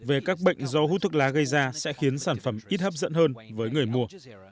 về các bệnh do hút thuốc lá gây ra sẽ khiến sản phẩm ít hấp dẫn hơn với người mua